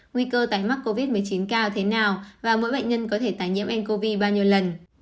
nguy cơ tái mắc covid một mươi chín cao thế nào và mỗi bệnh nhân có thể tái nhiễm ncov bao nhiêu lần